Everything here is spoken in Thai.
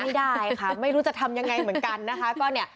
ไม่ได้ค่ะไม่รู้จะทำยังไงเหมือนกันนะคะก็เนี่ย